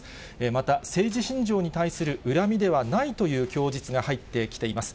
また、政治信条に対する恨みではないという供述が入ってきています。